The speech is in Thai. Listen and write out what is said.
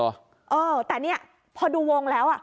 เออแต่เนี่ยพอดูวงแล้ว